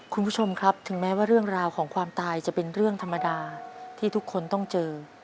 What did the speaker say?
คุณผู้ชมครับถึงแม้ว่าเรื่องราวของความตายจะเป็นเรื่องธรรมดาที่ทุกคนต้องเจอ